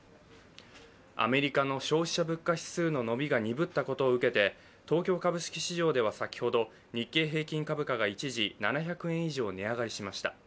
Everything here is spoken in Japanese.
アメリカの消費者物価指数の伸びが鈍ったことを受けて東京株式市場では先ほど日経平均株価が一時７００円以上値上がりしました。